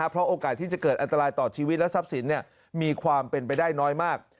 เพราะโอกาสที่จะเกิดอันตรายต่อชีวิตและทรัพย์สินมีความเป็นไปได้น้อยมาก